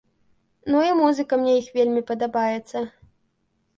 Ну, і музыка мне іх вельмі падабаецца.